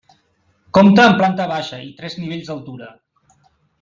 Compta amb planta baixa i tres nivells d'altura.